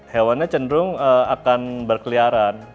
hewan cenderung akan berkeliaran